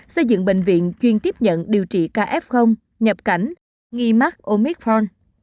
xây dựng bệnh viện chuyên tiếp nhận điều trị kf nhập cảnh nghi mắc omicron